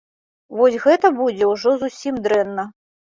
Вось гэта будзе ўжо зусім дрэнна.